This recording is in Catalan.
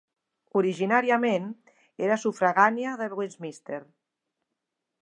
Originàriament era sufragània de Westminster.